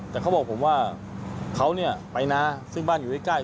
แต่เขาบอกผมว่าเขาเนี่ยไปนะซึ่งบ้านอยู่ใกล้